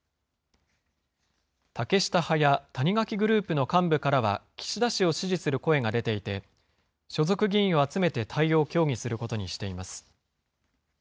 竹下派や谷垣グループの幹部からは、岸田氏を支持する声が出ていて、所属議員を集めて対応を協議することにしています。